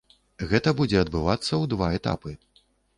Гэта будзе адбывацца ў два этапы.